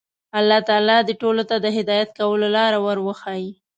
الله تعالی دې ټولو ته د هدایت کولو لاره ور وښيي.